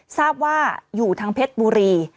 ทราบว่าอยู่ทางเพชรบุรี